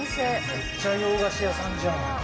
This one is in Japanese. めっちゃ洋菓子屋さんじゃん。